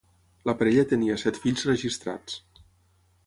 La parella tenia set fills registrats.